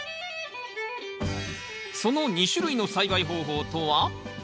その２種類の栽培方法とは？